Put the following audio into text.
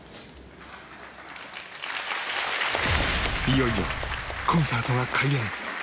いよいよコンサートが開演